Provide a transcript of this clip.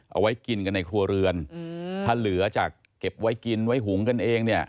เอาไว้กินกันในครัวเรือนถ้าเหลือจากเก็บไว้กินไว้หุงกันเองเนี่ย